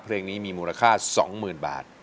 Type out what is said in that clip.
เพลงนี้มีมูลค่า๒๐๐๐บาท